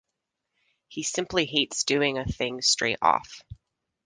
He simply hates doing a thing straight off.